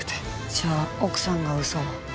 じゃあ、奥さんが嘘を？